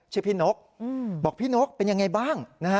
ชื่อพี่นกบอกพี่นกเป็นยังไงบ้าง